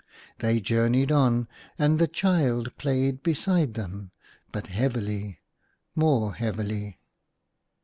They journeyed on, and the child played beside them, but heavily, more heavily.